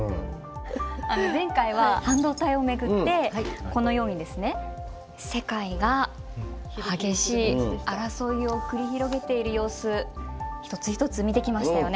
前回は半導体を巡ってこのようにですね世界が激しい争いを繰り広げている様子一つ一つ見てきましたよね。